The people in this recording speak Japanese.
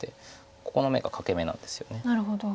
ここの眼が欠け眼なんですよね。